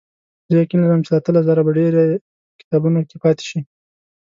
زه یقین لرم چې له اتلس زره به ډېرې په کتابونو کې پاتې شي.